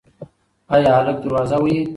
ایا هلک دروازه وهي؟